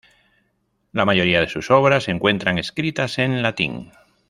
La mayoría de sus obras se encuentran escritas en latín.